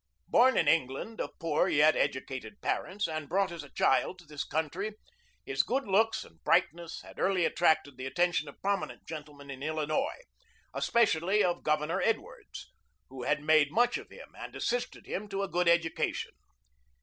Born in England of poor yet educated parents, and brought as a child to this country, his good looks and brightness had early attracted the attention of prominent gentlemen in Illinois, especially of Governor Edwards, who had made much of him and assisted him to a good education.